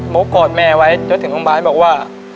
โม๊คกอดแม่ไว้เดี๋ยวถึงโรงพยาบาลบอกว่า